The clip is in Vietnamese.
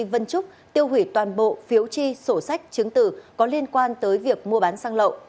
vân trúc tiêu hủy toàn bộ phiếu chi sổ sách chứng tử có liên quan tới việc mua bán xăng lậu